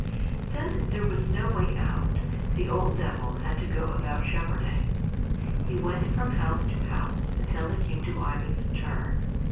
Since there was no way out, the old Devil had to go about shepherding. He went from house to house until it came to Ivan's turn.